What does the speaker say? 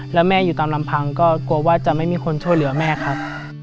แล้วแม่อยู่ตามลำพังก็กลัวว่าจะไม่มีคนช่วยเหลือแม่ครับ